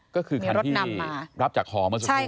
ก็คือคันที่รับจากหอเมื่อสักครู่